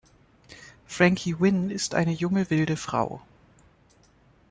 Frankie Wynne ist eine junge, wilde Frau.